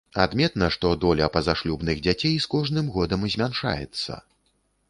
Адметна, што доля пазашлюбных дзяцей з кожным годам змяншаецца.